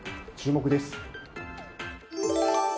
注目です。